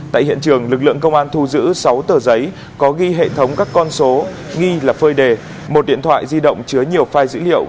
tại hiện trường lực lượng công an thu giữ sáu tờ giấy có ghi hệ thống các con số nghi là phơi đề một điện thoại di động chứa nhiều file dữ liệu